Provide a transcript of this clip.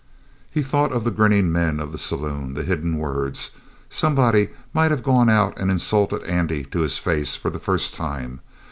He thought of the grinning men of the saloon; the hidden words. Somebody might have gone out and insulted Andy to his face for the first time.